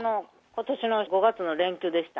ことしの５月の連休でした。